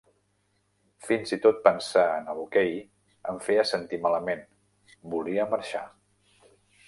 Fins-i-tot pensar en el hoquei em feia sentir malament, volia marxar.